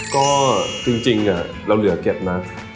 ก็จริงอ่ะเราเหลือเก็บมาก